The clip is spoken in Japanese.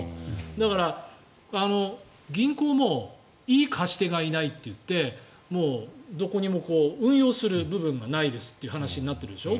だから、銀行もいい貸し手がいないって言ってどこにも運用する部分がないですという話になってるでしょ。